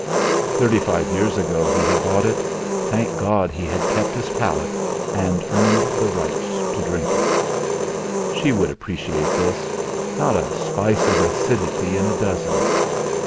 Thirty five years ago he had bought it thank God he had kept his palate, and earned the right to drink it. She would appreciate this; not a spice of acidity in a dozen.